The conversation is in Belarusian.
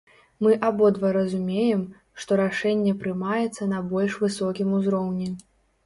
Мы абодва разумеем, што рашэнне прымаецца на больш высокім узроўні.